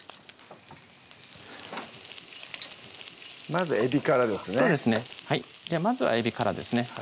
まずはえびからですね